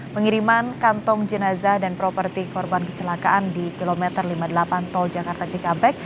pengiriman kantong jenazah dan properti korban kecelakaan di kilometer lima puluh delapan tol jakarta cikampek